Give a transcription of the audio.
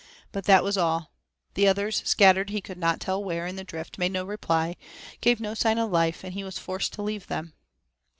But that was all; the others, scattered he could not tell where in the drift, made no reply, gave no sign of life, and he was forced to leave them.